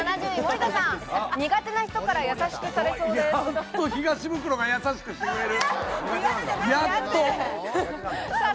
やっと東ブクロが優しくしてくれる。